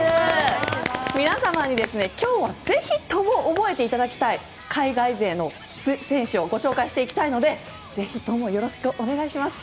皆様に今日はぜひとも覚えていただきたい海外勢の選手をご紹介していきたいのでぜひともよろしくお願いします。